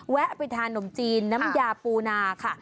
ไปทานขนมจีนน้ำยาปูนาค่ะ